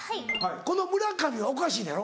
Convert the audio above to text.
この「村上」はおかしいのやろ？